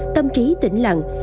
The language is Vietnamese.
tâm trí tỉnh lặng